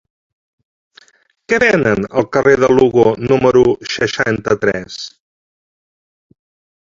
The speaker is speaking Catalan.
Què venen al carrer de Lugo número seixanta-tres?